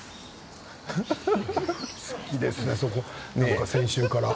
好きですねそこ、先週から。